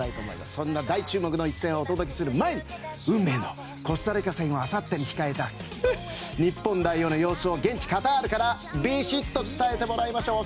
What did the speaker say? そんな大注目の一戦をお伝えする前に運命のコスタリカ戦を控えた日本代表の様子を現地カタールから伝えてもらいましょう。